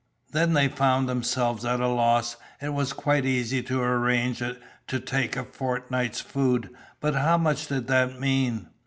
Then they found themselves at a loss, it was quite easy to arrange to take a fortnight's food, but how much did that mean?